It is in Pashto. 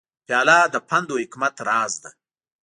پیاله د پند و حکمت راز ده.